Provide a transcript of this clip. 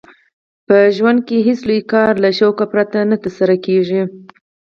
په ژوند کښي هېڅ لوى کار له شوقه پرته نه ترسره کېږي.